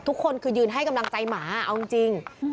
ทุกคนคือยืนให้กำลังใจหมาเอาจริง